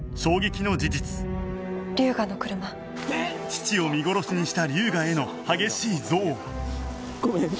父を見殺しにした龍河への激しい憎悪ごめん。